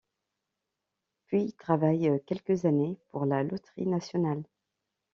Puis il travaille quelques années pour la loterie nationale.